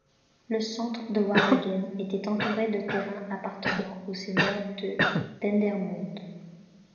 Le centre de Waregem était entouré de terrains appartenant aux seigneurs de Dendermonde.